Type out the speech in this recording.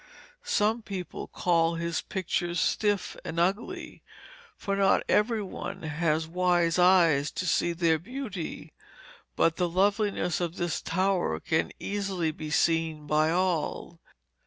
Some people call his pictures stiff and ugly, for not every one has wise eyes to see their beauty, but the loveliness of this tower can easily be seen by all.